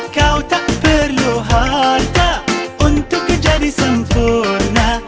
kau tak perlu harta untuk menjadi sempurna